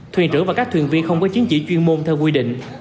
thuyền trưởng và các thuyền viên không có chứng chỉ chuyên môn theo quy định